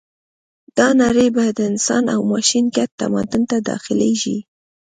دا نړۍ به د انسان او ماشین ګډ تمدن ته داخلېږي